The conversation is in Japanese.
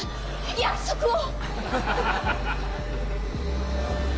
約束を！